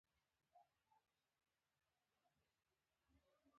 ډېری وګړي د برابرۍ په اړه اندېښنه نه لري.